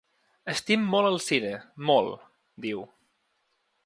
“Estim molt el cine, molt”, diu.